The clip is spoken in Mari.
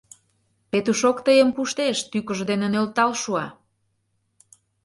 Петушок тыйым пуштеш, тӱкыжӧ дене нӧлтал шуа.